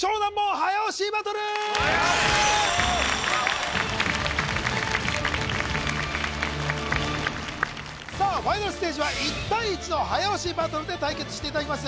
早押しバトルファイナルステージは１対１の早押しバトルで対決していただきます